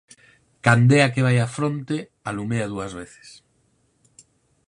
Candea que vai á fronte alumea dúas veces.